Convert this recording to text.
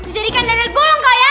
jadikan dendam gulung kok ya